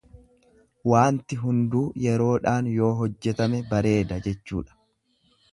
Waanti hunduu yeroodhaan yoo hojjetame bareeda jechuudha.